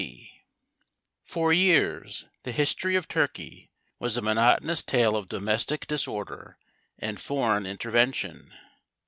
D. For years the history of Turkey was a monotonous tale of domestic disorder and foreign intervention.